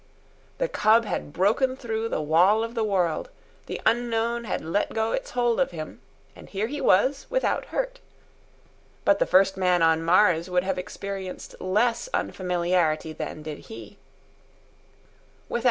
The cub had broken through the wall of the world, the unknown had let go its hold of him, and here he was without hurt. But the first man on Mars would have experienced less unfamiliarity than did he.